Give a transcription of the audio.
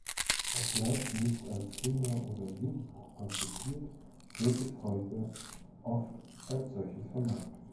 Obgleich nicht als Kinder- oder Jugendbuch konzipiert, wird es heute oft als solches vermarktet.